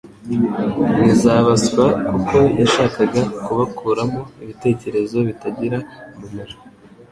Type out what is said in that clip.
n'iz'abaswa kuko yashakaga kubakuramo ibitekerezo bitagira umumaro